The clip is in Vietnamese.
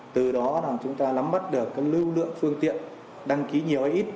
trên địa bàn